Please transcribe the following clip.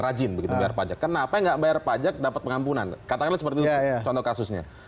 rajin begitu biar pajak kenapa enggak bayar pajak dapat pengampunan katakan seperti contoh kasusnya